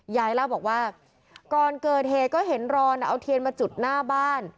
ยายเล่าบอกว่าก่อนเกิดเหตุก็เห็นรอนเอาเทียนมาจุดหน้าบ้าน